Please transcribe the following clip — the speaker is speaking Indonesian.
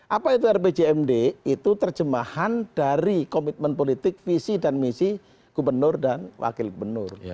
apa itu rpjmd itu terjemahan dari komitmen politik visi dan misi gubernur dan wakil gubernur